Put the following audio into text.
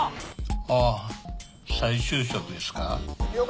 ほぅ再就職ですか？